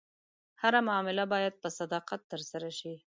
هره معامله باید په صداقت ترسره شي.